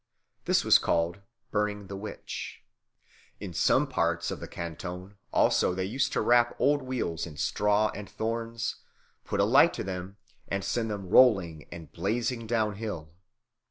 This was called "burning the witch." In some parts of the canton also they used to wrap old wheels in straw and thorns, put a light to them, and send them rolling and blazing down hill.